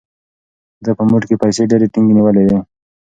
ده په موټ کې پیسې ډېرې ټینګې نیولې وې.